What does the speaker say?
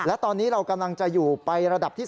และตอนนี้เรากำลังจะอยู่ไประดับที่๓